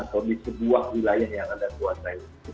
atau di sebuah wilayah yang anda kuasai